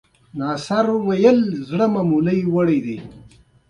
سوکړک په سره تبۍ کې پوخ شوی و.